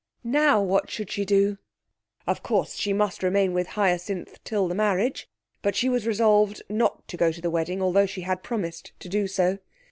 Now what should she do? Of course she must remain with Hyacinth till the marriage, but she was resolved not to go to the wedding, although she had promised to do so.